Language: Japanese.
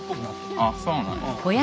あっそうなんや。